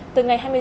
từ ngày hôm nay